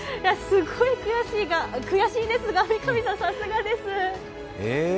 すごい悔しいですが、三上さん、さすがです。